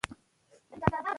زه خپلو هدفونو ته نژدې کېږم.